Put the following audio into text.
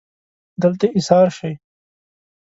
دلته ایسار شئ